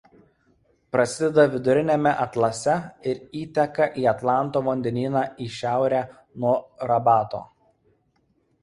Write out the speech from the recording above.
Prasideda Viduriniame Atlase ir įteka į Atlanto vandenyną į šiaurę nuo Rabato.